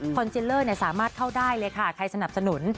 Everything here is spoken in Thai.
จิลเลอร์สามารถเข้าได้เลยค่ะใครสนับสนุน